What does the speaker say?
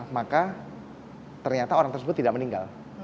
maka ternyata orang tersebut tidak meninggal